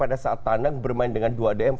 paling pada saat tandang bermain dengan dua dm